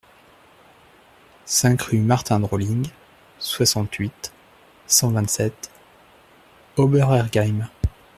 cinq rue Martin Drolling, soixante-huit, cent vingt-sept, Oberhergheim